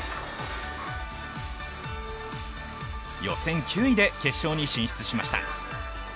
予選９位で決勝に進出しました。